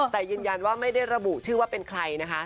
แต่ยืนยันว่าไม่ได้ระบุชื่อว่าเป็นใครนะคะ